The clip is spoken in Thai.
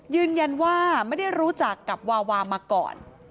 ยืนยันว่าไม่ได้รู้จักกับวาวามาก่อน